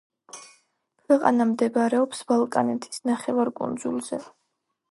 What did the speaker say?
ქვეყანა მდებარეობს ბალკანეთის ნახევარკუნძულზე.